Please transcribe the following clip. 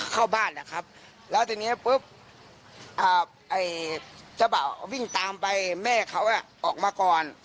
เข้าบ้านแหละครับแล้วทีนี้ปุ๊บเจ้าบ่าววิ่งตามไปแม่เขาออกมาก่อน